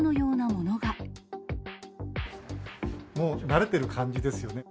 もう慣れている感じですよね。